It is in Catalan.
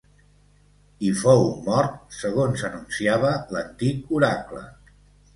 I fou mort segons anunciava l'antic oracle.